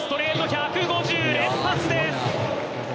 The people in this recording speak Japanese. １５０連発です。